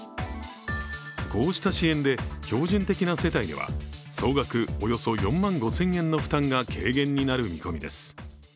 こうした支援で標準的な世帯では総額およそ４万５０００円の負担が軽減になる見込みです。